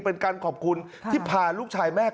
เป็นการขอบคุณที่พาลูกชายแม่